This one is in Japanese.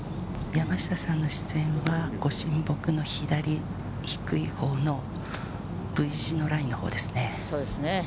山下さんの視線は、ご神木の左、低いほうのＶ字のラインのほうですね。